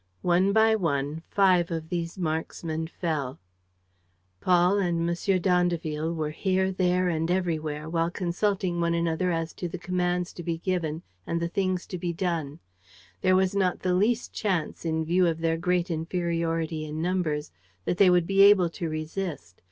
One by one, five of these marksmen fell. Paul and M. d'Andeville were here, there and everywhere, while consulting one another as to the commands to be given and the things to be done. There was not the least chance, in view of their great inferiority in numbers, that they would be able to resist.